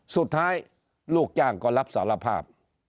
สุดท้ายลูกจ้างก็รับสารภาพ